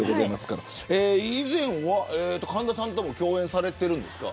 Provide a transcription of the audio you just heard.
以前は神田さんとも共演されているんですか。